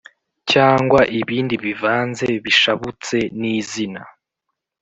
cyangwa ibindi bivanze bishabutse n izina